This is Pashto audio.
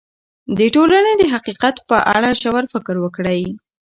د ټولنې د حقیقت په اړه ژور فکر وکړئ.